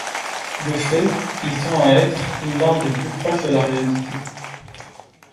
De fait, il tend à être l'un des plus proches de la réalité.